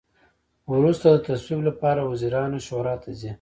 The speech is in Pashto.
وروسته د تصویب لپاره وزیرانو شورا ته ځي.